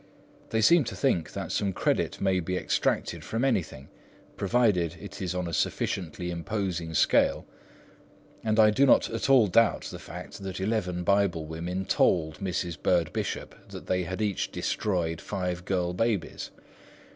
They seem to think that some credit may be extracted from anything, provided it is on a sufficiently imposing scale, and I do not at all doubt the fact that eleven Bible women told Mrs. Bird Bishop that they had each destroyed five girl babies.